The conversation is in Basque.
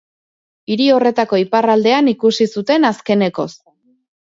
Hiri horretako iparraldean ikusi zuten azkenekoz.